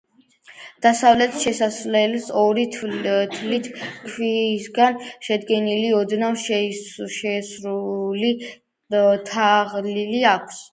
დასავლეთ შესასვლელს ორი თლილი ქვისგან შედგენილი ოდნავ შეისრული თაღი აქვს.